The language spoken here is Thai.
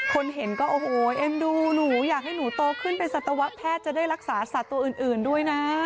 คนเห็นก็โอ้โหเอ็นดูหนูอยากให้หนูโตขึ้นเป็นสัตวแพทย์จะได้รักษาสัตว์ตัวอื่นด้วยนะ